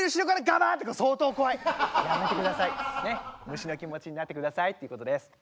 虫の気持ちになってくださいっていうことです。